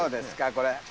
これ。